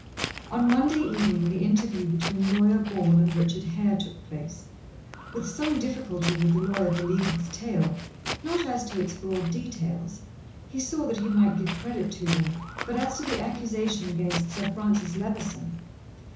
On Monday evening the interview between Lawyer Ball and Richard Hare took place. With some difficulty would the lawyer believe his tale not as to its broad details; he saw that he might give credit to them but as to the accusation against Sir Francis Levison.